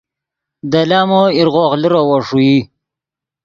دے لامو ایرغوغ لیروّو ݰوئی